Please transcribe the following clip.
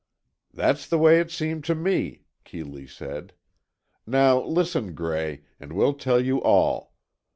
"That's the way it seemed to me," Keeley said. "Now, listen, Gray, and we'll tell you all.